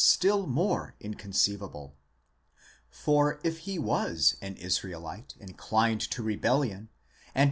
still more inconceivable. For if he was an Israelite inclined to rebellion, and.